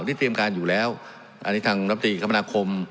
เตรียมการอยู่แล้วอันนี้ทางรัฐตรีคมนาคม